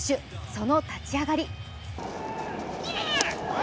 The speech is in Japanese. その立ち上がり。